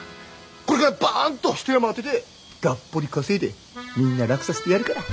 これからバーンと一山当ててがっぽり稼いでみんな楽させてやるから。